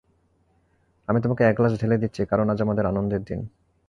আমি তোমাকে এক গ্লাস ঢেলে দিচ্ছি কারণ আজ আমাদের আনন্দের দিন।